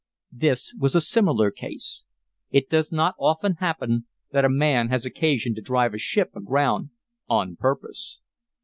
This was a similar case; it does not often happened that a man has occasion to drive a ship aground on purpose.